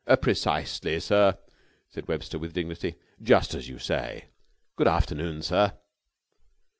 "Precisely, sir!" said Webster, with dignity. "Just as you say! Good afternoon, sir!"